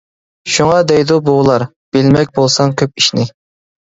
شۇڭا دەيدۇ بوۋىلار، بىلمەك بولساڭ كۆپ ئىشنى.